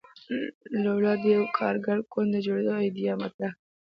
لولا د یوه کارګر ګوند د جوړېدو ایډیا مطرح کړه.